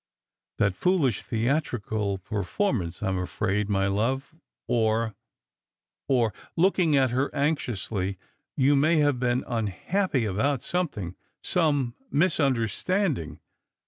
" That foolish theatrical performance, I'm afraid, my love ; or — or " looking at her anxiously, " you may have been unhappy about something — some misunderstanding.